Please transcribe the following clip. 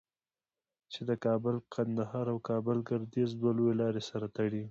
چې د کابل قندهار او کابل گردیز دوه لویې لارې سره تړي.